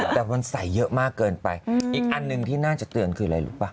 แต่มันใส่เยอะมากเกินไปอีกอันหนึ่งที่น่าจะเตือนคืออะไรรู้ป่ะ